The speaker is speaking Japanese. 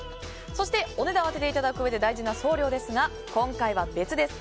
そして、お値段を当てていただくうえで大事な送料ですが今回は別です。